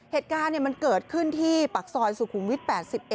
เหตุการณ์มันเกิดขึ้นที่ปากซอยสุขุมวิท๘๑